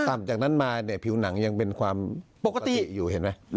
จากนั้นมาเนี่ยผิวหนังยังเป็นความปกติอยู่เห็นไหม